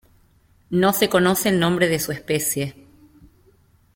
No se conoce el nombre de su especie.